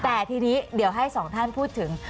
แต่ทีนี้เดี๋ยวให้สองท่านพูดถึง